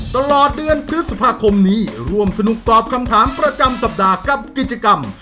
ตลอดเดือนพฤษภาคมนี้ร่วมสนุกตอบคำถามประจำสัปดาห์กับกิจกรรม